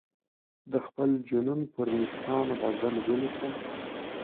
د خپل جنون پر نیستان غزل ولیکم.